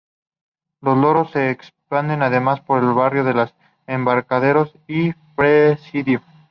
Los loros se extienden, además, por los barrios de El Embarcadero y el Presidio.